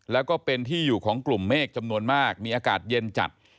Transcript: แล้วก็เป็นที่อยู่ของกลุ่มเมฆจำนวนมากมีอากาศเย็นจัด